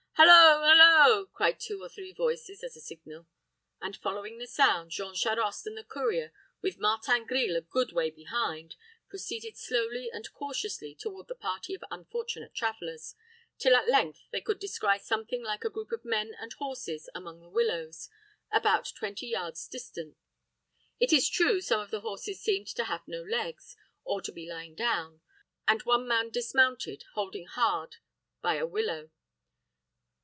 "Halloo, halloo!" cried two or three voices, as a signal; and, following the sound, Jean Charost and the courier, with Martin Grille a good way behind, proceeded slowly and cautiously toward the party of unfortunate travelers, till at length they could descry something like a group of men and horses among the willows, about twenty yards distant. It is true, some of the horses seemed to have no legs, or to be lying down, and one man dismounted, holding hard by a willow.